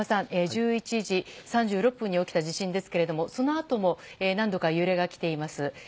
１１時３６分に起きた地震ですがそのあとも何度か揺れがきています。